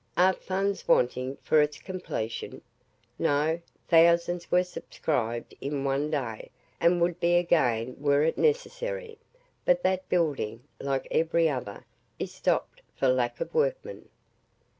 Are funds wanting for its completion? No. Thousands were subscribed in one day, and would be again were it necessary; but that building, like every other, is stopped for lack of workmen.